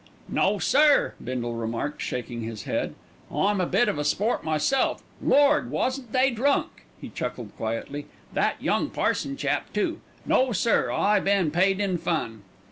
"No, sir," Bindle remarked, shaking his head. "I'm a bit of a sport myself. Lord! wasn't they drunk!" He chuckled quietly. "That young parson chap, too. No, sir, I been paid in fun."